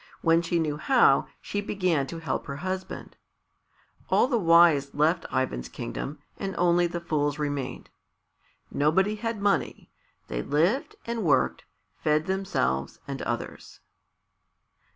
When she knew how, she began to help her husband. All the wise left Ivan's kingdom, and only the fools remained. Nobody had money. They lived and worked, fed themselves and others.